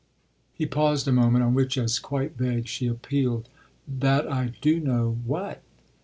He paused a moment; on which, as quite vague, she appealed. "That I 'do know' what?"